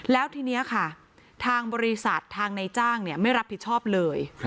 แล้วทีนี้ค่ะทางบริษัททางในจ้างไม่รับผิดชอบเลย